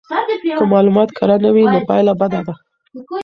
که معلومات کره نه وي نو پایله بده ده.